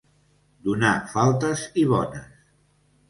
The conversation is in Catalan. Donar faltes i bones.